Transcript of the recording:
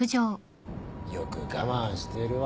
よく我慢してるわ。